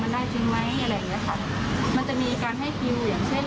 มันได้จริงไหมอะไรอย่างเงี้ยค่ะมันจะมีการให้คิวอย่างเช่น